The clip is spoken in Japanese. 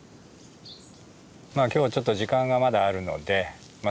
今日はちょっと時間がまだあるのでまあ